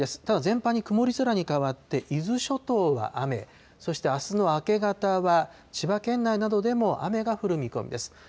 ただ全般に曇り空に変わって、伊豆諸島は雨、そしてあすの明け方は、千葉県内などでも雨が降る見込みです。